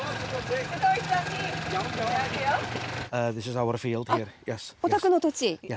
あっお宅の土地？